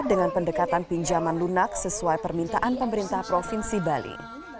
dengan pendekatan pinjaman lunak sesuai permintaan pemerintah provinsi bali